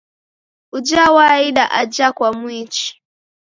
Uja waida aja kwamuichi?